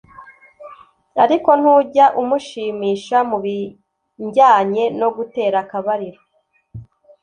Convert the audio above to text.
ariko ntujya umushimisha mu binjyanye no gutera akabariro